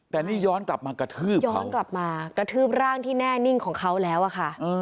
แต่นี่ย้อนกลับมากระทืบย้อนกลับมากระทืบร่างที่แน่นิ่งของเขาแล้วอะค่ะ